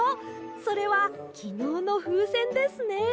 それはきのうのふうせんですね。